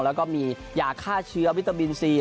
แล้วก็มียาฆ่าเชื้อวิตามินซี